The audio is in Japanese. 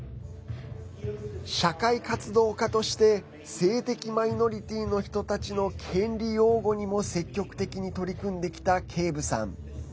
社会活動家として性的マイノリティーの人たちの権利擁護にも積極的に取り組んできたケイブさん。